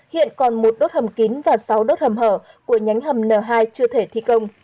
hiện còn một đốt hầm kín và sáu đốt hầm hở của nhánh hầm n hai chưa thể thi công